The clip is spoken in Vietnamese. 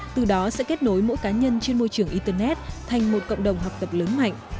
từ đó sẽ kết nối mỗi cá nhân trên môi trường internet thành một cộng đồng học tập lớn mạnh